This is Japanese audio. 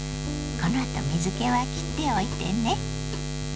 このあと水けはきっておいてね。